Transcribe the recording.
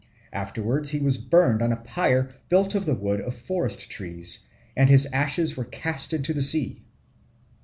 Afterwards he was burned on a pyre built of the wood of forest trees; and his ashes were cast into the sea.